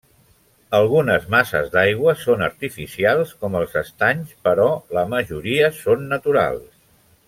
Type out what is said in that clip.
Algunes masses d'aigua són artificials, com els estanys, però la majoria són naturals.